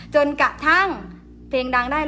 แชทสิวะ